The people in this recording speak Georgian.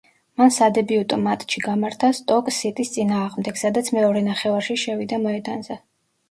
მან სადებიუტო მატჩი გამართა „სტოკ სიტის“ წინააღმდეგ, სადაც მეორე ნახევარში შევიდა მოედანზე.